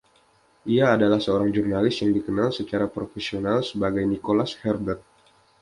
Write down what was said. Ia adalah seorang jurnalis yang dikenal secara profesional sebagai Nicholas Herbert.